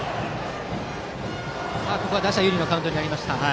ここは打者有利のカウントとなりました。